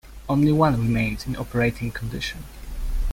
Only one remains in operating condition.